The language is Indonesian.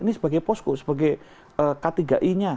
ini sebagai posko sebagai k tiga i nya